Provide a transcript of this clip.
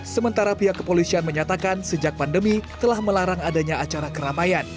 sementara pihak kepolisian menyatakan sejak pandemi telah melarang adanya acara keramaian